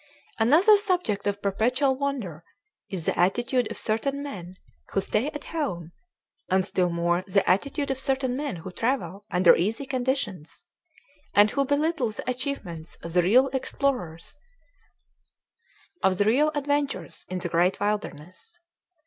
Another subject of perpetual wonder is the attitude of certain men who stay at home, and still more the attitude of certain men who travel under easy conditions, and who belittle the achievements of the real explorers of, the real adventures in, the great wilderness.